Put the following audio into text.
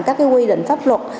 các quy định pháp luật